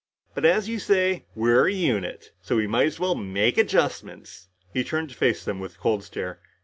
But, as you say, we're a unit. So we might as well make adjustments." He turned to face them with a cold stare.